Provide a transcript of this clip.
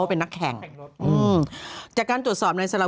แพงปูนบาร์เรอร์